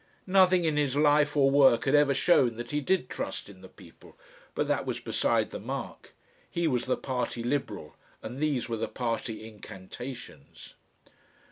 Nothing in his life or work had ever shown that he did trust in the people, but that was beside the mark. He was the party Liberal, and these were the party incantations.